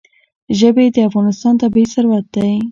ژبې د افغانستان طبعي ثروت دی.